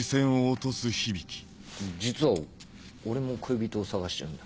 実は俺も恋人を捜してるんだ。